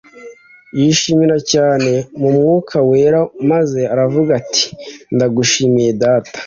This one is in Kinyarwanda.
«yishimira cyane mu Mwuka wera maze aravuga ati: Ndagushimiye Data,